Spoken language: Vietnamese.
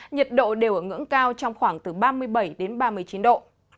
nhiệt độ đều ở ngưỡng cao trong khoảng từ ba mươi bảy đến ba mươi chín độ